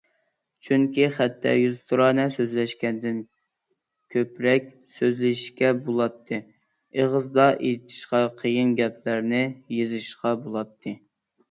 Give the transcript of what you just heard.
چۈنكى، خەتتە يۈزتۇرانە سۆزلەشكەندىن كۆپرەك سۆزلىشىشكە بولاتتى، ئېغىزدا ئېيتىشقا قىيىن گەپلەرنى يېزىشقا بولاتتى.